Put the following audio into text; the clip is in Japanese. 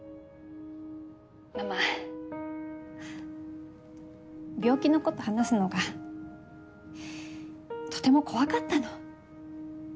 ママ病気のこと話すのがとても怖かったの。